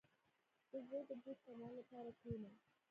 • د زړۀ د بوج کمولو لپاره کښېنه.